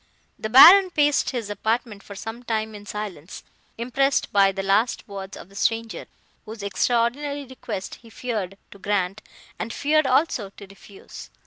] "The Baron paced his apartment, for some time, in silence, impressed by the last words of the stranger, whose extraordinary request he feared to grant, and feared, also, to refuse.